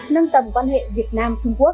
nâng tầm quan hệ việt nam trung quốc